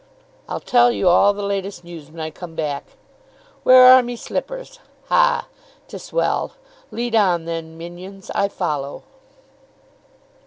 "I'll tell you all the latest news when I come back. Where are me slippers? Ha, 'tis well! Lead on, then, minions. I follow."